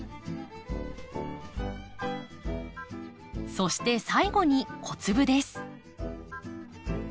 そして最後に小粒です。